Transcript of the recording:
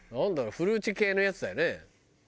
フルーチェ系のやつだよね？